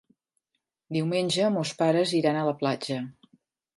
Diumenge mons pares iran a la platja.